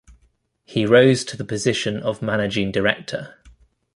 He rose to the position of Managing Director.